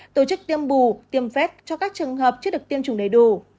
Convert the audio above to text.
tổ chức tiêm bù tiêm vét cho các trường hợp chưa được tiêm chủng đầy đủ